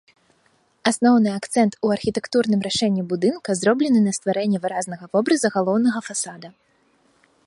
Асноўны акцэнт у архітэктурным рашэнні будынка зроблены на стварэнне выразнага вобраза галоўнага фасада.